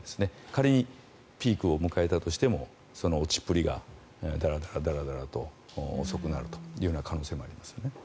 仮にピークを迎えたとしてもその落ちっぷりがだらだらと遅くなるという可能性もありますね。